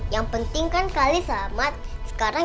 yang penting kan kali sama sekarang